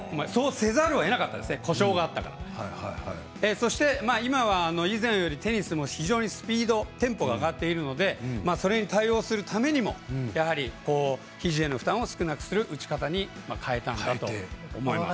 そして、今は以前よりテニスもスピード、テンポが上がっているのでそれに対応するためにもひじへの負担を少なくする打ち方に変えたんだと思います。